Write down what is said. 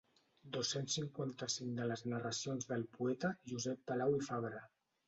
Dos-cents cinquanta-cinc de les narracions del poeta Josep Palau i Fabre.